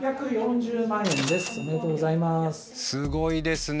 すごいですね。